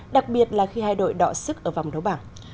đặc biệt là khi hai đội đọa sức ở vòng đấu bảng